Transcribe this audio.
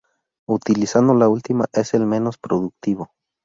Utilizando la última, es el menos productivo.